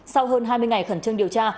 sau hơn hai mươi ngày khẩn trương điều tra